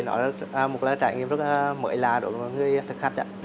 nó là một trải nghiệm rất là mới lạ cho mọi người thức khách